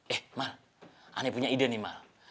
eh mal aneh punya ide nih mal